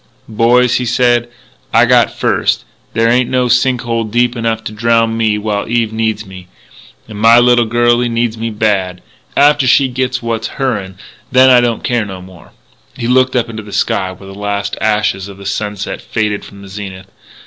"Boys," he said, "I got first. There ain't no sink hole deep enough to drowned me while Eve needs me.... And my little girlie needs me bad.... After she gits what's her'n, then I don't care no more...." He looked up into the sky, where the last ashes of sunset faded from the zenith....